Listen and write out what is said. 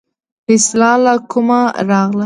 دا اصطلاح له کومه راغله.